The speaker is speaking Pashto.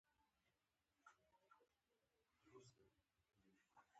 دلته د کار کولو د نویو طریقو اړتیا لیدل کېږي